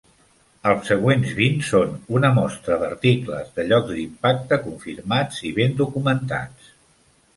Els següents vint són una mostra d'articles de llocs d'impacte confirmats i ben documentats.